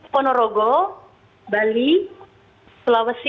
ponorogo bali sulawesi